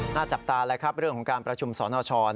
หน้าจับตาเรื่องของการประชุมสนช